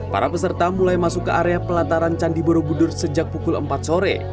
para peserta mulai masuk ke area pelataran candi borobudur sejak pukul empat sore